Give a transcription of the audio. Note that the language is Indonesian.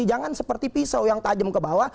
jangan seperti pisau yang tajam ke bawah